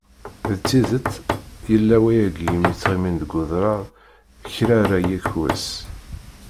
D tidet, yella wayagi imi ttɣimin deg udrar kra ara yekk wass.